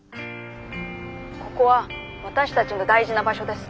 「ここは私たちの大事な場所です。